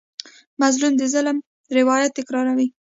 مظلوم د ظالم روایت تکراروي.